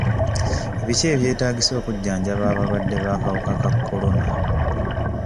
Biki ebyetaagisa okujjanjaba abalwadde b'akawuka ka kolona?